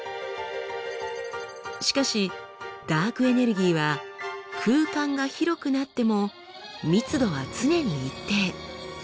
しかしダークエネルギーは空間が広くなっても密度は常に一定。